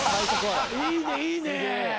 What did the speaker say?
いいねいいね。